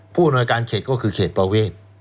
ผู้อำนวยการเขตก็คือเขตประเวท